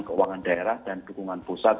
keuangan daerah dan dukungan pusat